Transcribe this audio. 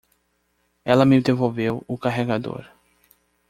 Ela me devolveu o carregador.